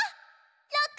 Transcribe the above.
６！